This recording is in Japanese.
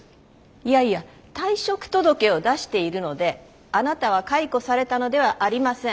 いやいや退職届を出しているのであなたは解雇されたのではありません。